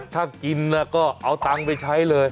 ถ้ากินก็เอาตังค์ไปใช้เลย